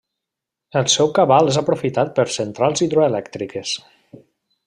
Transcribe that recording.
El seu cabal és aprofitat per centrals hidroelèctriques.